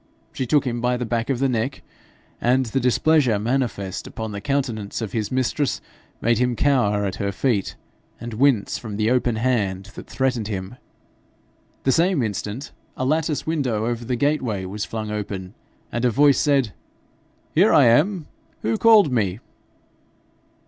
She took him by the back of the neck, and the displeasure manifest upon the countenance of his mistress made him cower at her feet, and wince from the open hand that threatened him. The same instant a lattice window over the gateway was flung open, and a voice said 'Here I am. Who called me?'